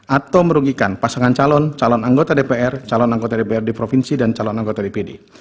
atau merugikan pasangan calon calon anggota dpr calon anggota dprd provinsi dan calon anggota dpd